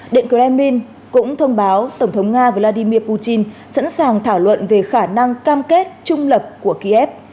điện kremlin cũng thông báo tổng thống nga vladimir putin sẵn sàng thảo luận về khả năng cam kết trung lập của kiev